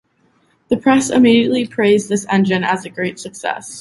The press immediately praised this engine as a great success.